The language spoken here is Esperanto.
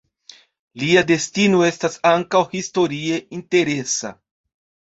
Lia destino estas ankaŭ historie interesa.